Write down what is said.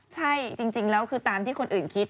ใช่จริงแล้วคือตามที่คนอื่นคิด